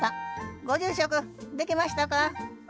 ご住職できましたか？